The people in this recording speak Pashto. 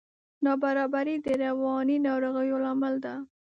نابرابري د رواني ناروغیو لامل ده.